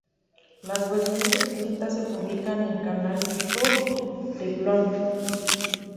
Las versiones explícitas se publican en el canal YouTube de Bloom.